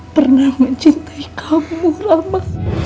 mencintai kamu rama